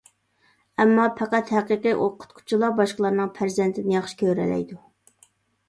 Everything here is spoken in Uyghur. ئەمما پەقەت ھەقىقىي ئوقۇتقۇچىلا باشقىلارنىڭ پەرزەنتىنى ياخشى كۆرەلەيدۇ.